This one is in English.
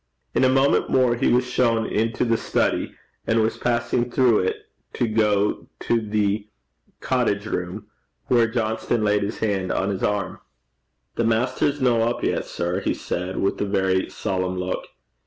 In a moment more he was shown into the study, and was passing through it to go to the cottage room, when Johnston laid his hand on his arm. 'The maister's no up yet, sir,' he said, with a very solemn look.